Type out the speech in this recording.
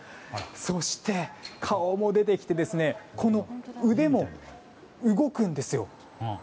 そして、顔も出てきてこの腕も動くんですよ。